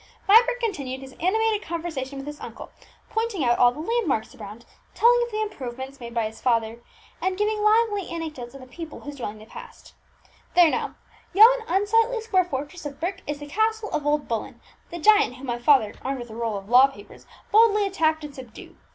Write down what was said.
Vibert continued his animated conversation with his uncle, pointing out all the landmarks around, telling of the improvements made by his father, and giving lively anecdotes of the people whose dwellings they passed. "There now yon unsightly square fortress of brick is the castle of old Bullen, the giant whom my father, armed with a roll of law papers, boldly attacked and subdued.